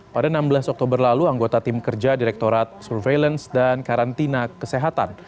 pada enam belas oktober lalu anggota tim kerja direktorat surveillance dan karantina kesehatan